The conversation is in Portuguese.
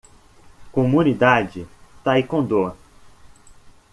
Comunidade Taekwondo